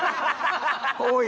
おい。